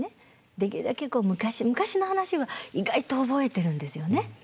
できるだけこう昔昔の話は意外と覚えてるんですよね。